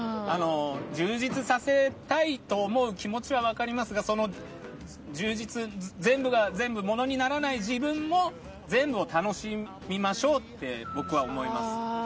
充実させたいと思う気持ちは分かりますが全部が全部ものにならない自分も全部を楽しみましょうって僕は思います。